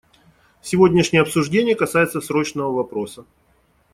Сегодняшнее обсуждение касается срочного вопроса.